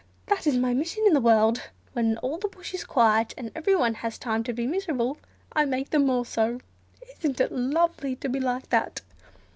That is my mission in the world: when all the bush is quiet, and everyone has time to be miserable, I make them more so—isn't it lovely to be like that?"